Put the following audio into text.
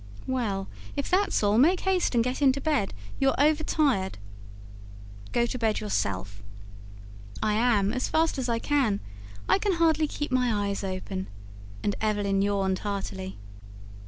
"Well, if that's all, make haste and get into bed. You're overtired." "Go to bed yourself!" "I am, as fast as I can. I can hardly keep my eyes open;" and Evelyn yawned heartily.